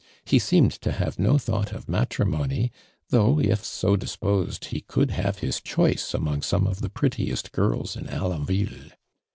Ho seemed to hav(> no thought of matrimony, though, if so disposed, he could have his choice among some of the prettiest girls in Alonville.